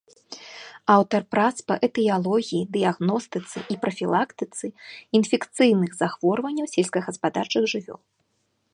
Аўтар прац па этыялогіі, дыягностыцы і прафілактыцы інфекцыйных захворванняў сельскагаспадарчых жывёл.